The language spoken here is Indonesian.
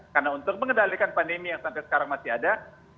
karena untuk mengadalkan pandemi yang sampai sekarang masih ada